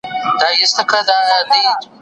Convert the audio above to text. سيمه ييز واکمن کله کله د پرمختګ مخه نيسي.